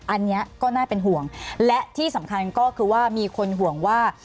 อันนี้ก็น่าเป็นห่วงและที่สำคัญก็คือว่ามีคนห่วงว่า